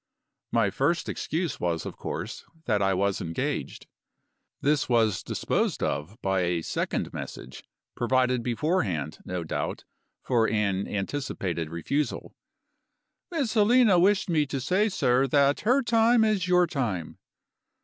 My first excuse was of course that I was engaged. This was disposed of by a second message, provided beforehand, no doubt, for an anticipated refusal: "Miss Helena wished me to say, sir, that her time is your time."